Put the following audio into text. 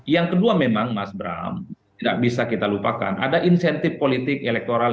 yang kedua memang mas bram tidak bisa kita lupakan ada insentif politik elektoral